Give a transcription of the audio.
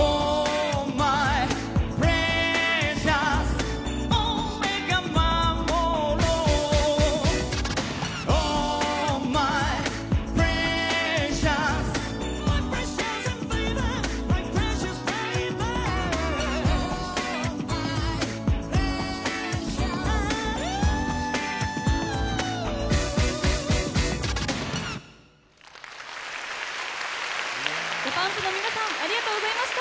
ＤＡＰＵＭＰの皆さんありがとうございました。